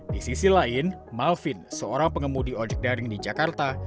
di sisi lain malvin seorang pengemudi ojek daring di jakarta